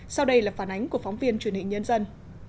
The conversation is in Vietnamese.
sau đây là phản ánh của phóng viên truyền hình nhân dân